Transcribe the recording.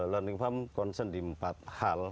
learning farm concern di empat hal